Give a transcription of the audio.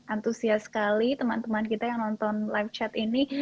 antusias sekali teman teman kita yang nonton live chat ini